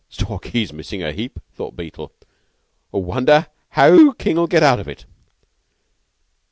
"Stalky's missing a heap," thought Beetle. "Wonder how King'll get out of it!"